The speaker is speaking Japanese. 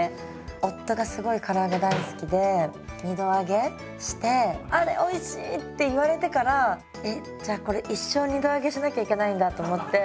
夫がすごいから揚げ大好きで二度揚げして「あれおいしい！」って言われてからえっじゃあこれ一生二度揚げしなきゃいけないんだと思って。